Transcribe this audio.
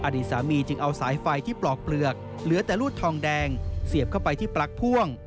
อดีตสามีจึงเอาสายไฟที่ปลอกเปลือกเหลือแต่รูดทองแดงเสียบเข้าไปที่ปลั๊กพ่วง